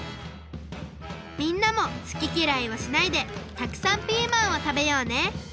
みんなもすききらいをしないでたくさんピーマンをたべようね！